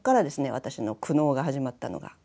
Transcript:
私の苦悩が始まったのが。